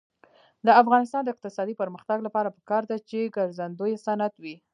د افغانستان د اقتصادي پرمختګ لپاره پکار ده چې ګرځندوی صنعت وي.